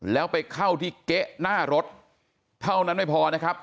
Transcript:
แล้วไปเข้าที่เก๊ะหน้ารถเท่านั้นไม่พอนะครับ